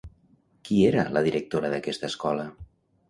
Qui era la directora d'aquesta escola?